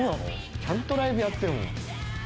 ちゃんとライブやってる。